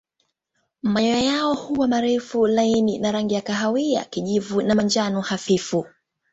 Manyoya yao huwa marefu laini na rangi kati ya kahawia kijivu na manjano hafifu.